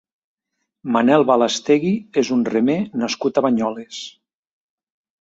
Manel Balastegui és un remer nascut a Banyoles.